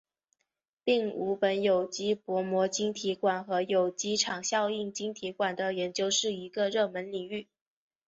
并五苯有机薄膜晶体管和有机场效应晶体管的研究是一个热门领域。